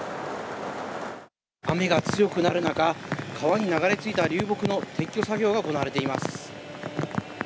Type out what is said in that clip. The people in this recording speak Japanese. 雨が強くなる中、川に流れ着いた流木の撤去作業が行われています。